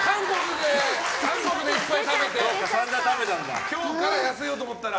韓国でいっぱい食べて今日から痩せようと思ったら。